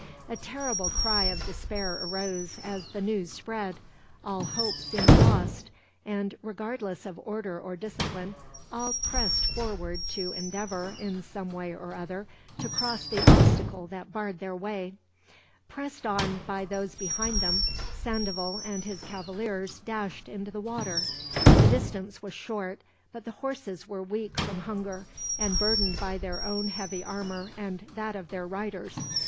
A terrible cry of despair arose, as the news spread. All hope seemed lost and, regardless of order or discipline, all pressed forward to endeavor, in some way or other, to cross the obstacle that barred their way. Pressed on by those behind them, Sandoval and his cavaliers dashed into the water. The distance was short, but the horses were weak from hunger, and burdened by their own heavy armor and that of their riders.